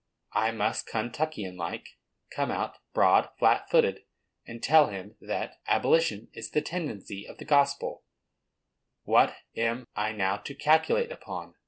I must Kentuckian like, come out, broad, flat footed, and tell him that abolition is the tendency of the gospel. What am I now to calculate upon?